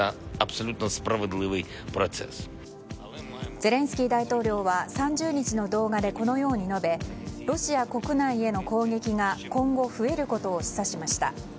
ゼレンスキー大統領は３０日の動画でこのように述べロシア国内への攻撃が今後増えることを示唆しました。